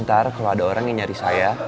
ntar kalau ada orang yang nyari saya